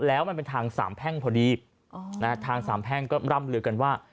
แล้วมันเป็นทางสามแพ่งพอดีทางสามแพ่งก็ร่ำลือกันว่า